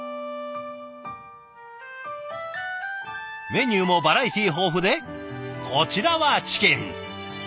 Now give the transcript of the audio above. メニューもバラエティー豊富でこちらはチキン。